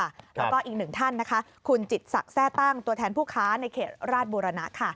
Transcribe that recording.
แล้วก็อีก๑ท่านคุณจิตศักดิ์แซ่ตั้งตัวแทนผู้ค้าในเขตราชบุรณะค่ะ